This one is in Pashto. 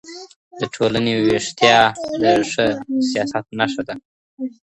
د ټولنې ويښتيا د ښه سياست نښه ده.